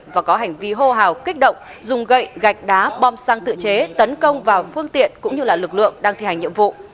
và có hành vi hô hào kích động dùng gậy gạch đá bom xăng tự chế tấn công vào phương tiện cũng như lực lượng đang thi hành nhiệm vụ